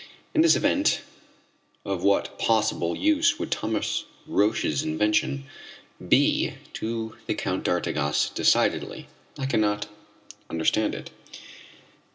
In this event, of what possible use would Thomas Roch's invention be to the Count d'Artigas Decidedly, I cannot understand it!